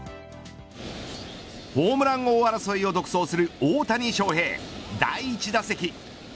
ホームラン王争いを独走する大谷翔平第１打席。